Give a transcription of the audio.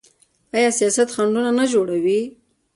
آیا سیاست خنډونه نه جوړوي؟